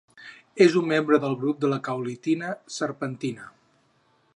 És un membre del grup de la caolinita-serpentina.